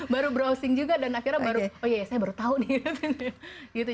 baru browsing juga dan akhirnya baru oh ya saya baru tahu nih